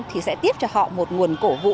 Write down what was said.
thì sẽ tiếp cho họ một nguồn cổ vũ